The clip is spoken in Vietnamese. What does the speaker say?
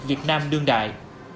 việt nam đương đại